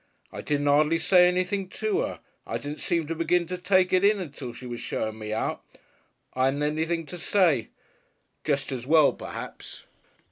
I didn't 'ardly say anything to 'er. I didn't seem to begin to take it in until she was showing me out. I 'adn't anything to say. Jest as well, perhaps.